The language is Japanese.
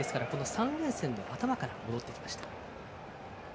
３連戦の頭から戻ってきました。